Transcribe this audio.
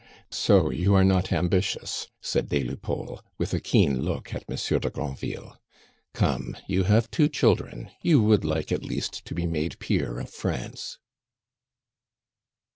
"So you are not ambitious!" said des Lupeaulx, with a keen look at Monsieur de Granville. "Come, you have two children, you would like at least to be made peer of France."